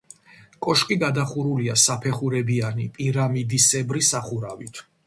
კოშკი გადახურულია საფეხურებიანი პირამიდისებრი სახურავით.